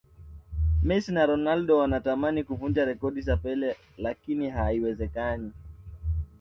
mess na ronaldo wanatamani kuvunja rekodi za pele lakini haiwezekani